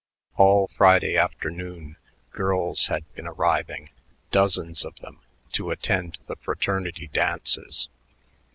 All Friday afternoon girls had been arriving, dozens of them, to attend the fraternity dances.